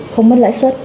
không mất lãi suất